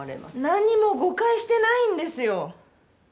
何にも誤解してないんですよ。